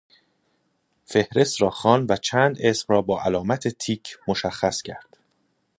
فهرست را خواند و چند اسم را با علامت تیک مشخص کرد.